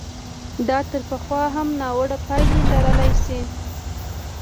دا تر پخوا هم ناوړه پایلې لرلای شي.